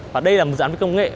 và đây là một dự án với công nghệ